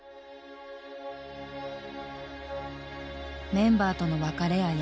メンバーとの別れや病。